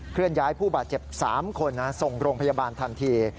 เลื่อนย้ายผู้บาดเจ็บ๓คนส่งโรงพยาบาลทันที